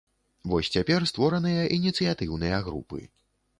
Вось цяпер створаныя ініцыятыўныя групы.